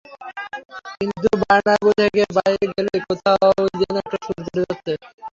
কিন্তু বার্নাব্যু থেকে বাইরে গেলেই কোথাও যেন একটু সুর কেটে যাচ্ছে।